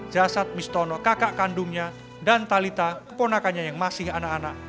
jasad mistono kakak kandungnya dan talitha keponakannya yang masih anak anak